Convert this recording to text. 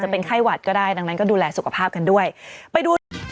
โปรดติดตามตอนต่อไป